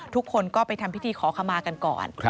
ทุกคนก็ไปทำพิธีขอขมากันก่อน